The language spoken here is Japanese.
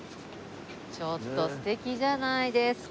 ちょっと素敵じゃないですか。